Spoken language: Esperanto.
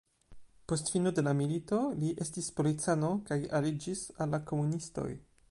Post fino de la milito li estis policano kaj aliĝis al la komunistoj.